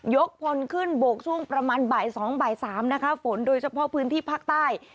พลขึ้นบกช่วงประมาณบ่ายสองบ่ายสามนะคะฝนโดยเฉพาะพื้นที่ภาคใต้